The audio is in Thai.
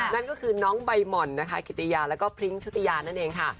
นั่นก็คือน้องใบหม่อนนะคะกิติยาแล้วก็พริ้งชุติยานั่นเองค่ะ